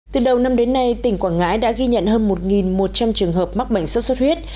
từ đầu năm đến nay tỉnh quảng ngãi đã ghi nhận hơn một một trăm linh trường hợp mắc bệnh sốt xuất huyết